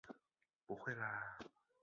不会啦！